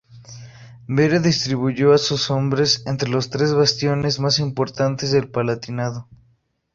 Vere distribuyó a sus hombres entre los tres bastiones más importantes del Palatinado.